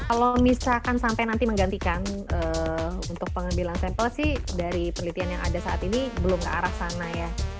kalau misalkan sampai nanti menggantikan untuk pengambilan sampel sih dari penelitian yang ada saat ini belum ke arah sana ya